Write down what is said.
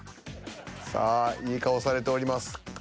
さあいい顔されております。